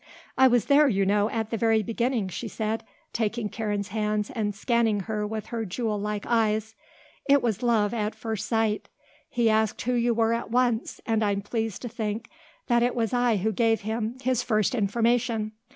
"I was there, you know, at the very beginning," she said, taking Karen's hands and scanning her with her jewel like eyes. "It was love at first sight. He asked who you were at once and I'm pleased to think that it was I who gave him his first information.